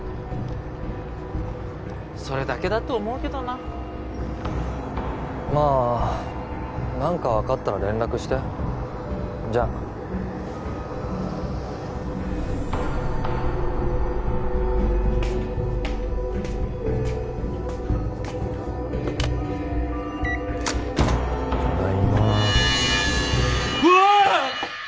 それだけだと思うけどなまあ何か分かったら連絡してじゃただいまうわーっ！